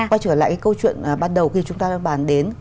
quay trở lại cái câu chuyện ban đầu khi chúng ta đang bàn đến